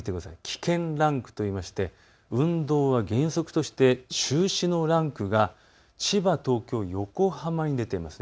危険ランクといいまして運動は原則として中止のランクが千葉、東京、横浜に出ています。